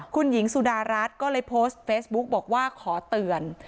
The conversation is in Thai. คุณหญิงสุดารัฐก็เลยโพสต์เฟซบุ๊กบอกว่าขอเตือน